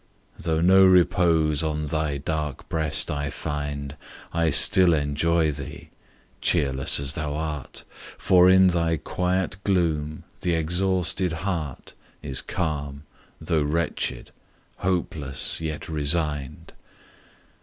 Though no repose on thy dark breast I find, I still enjoy thee cheerless as thou art; For in thy quiet gloom the exhausted heart Is calm, though wretched; hopeless, yet resigned.